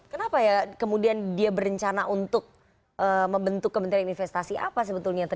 kenapa ya kemudian dia berencana untuk membentuk kementerian investasi apa sebetulnya